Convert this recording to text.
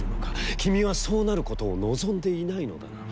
君は、そうなることを望んでいないのだな」。